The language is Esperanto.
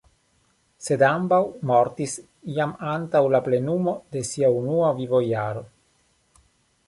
Sed ambaŭ mortis jam antaŭ la plenumo de sia unua vivojaro.